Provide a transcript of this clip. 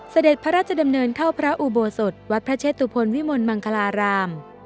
เสด็จพระราชดำเนินเข้าพระอุโบสถวัดพระเชตุพลวิมลมังคลาราม